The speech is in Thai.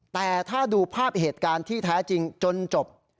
แต่ถ้าดูภาพเหตุการณ์ที่แท้จริงจนจบ